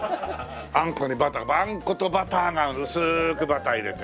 あんこにバターあんことバターが。薄くバター入れて。